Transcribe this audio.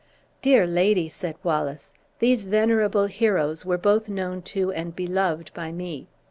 "Dear lady," said Wallace, "these venerable heroes were both known to and beloved by me.